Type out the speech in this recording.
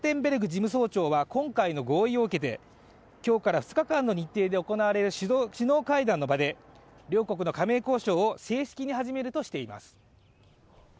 事務総長は今回の合意を受けて、今日から２日間の日程で行われる首脳会談の場で両国の加盟交渉を正式に始めるとしています。